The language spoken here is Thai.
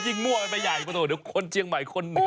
จริงมั่วไปใหญ่เดี๋ยวคนเจียงใหม่คนเหนือ